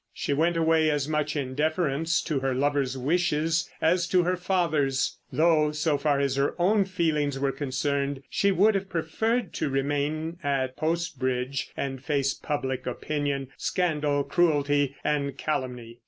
She went away as much in deference to her lover's wishes as to her father's, though so far as her own feelings were concerned she would have preferred to remain at Post Bridge and face public opinion—scandal, cruelty, and calumny.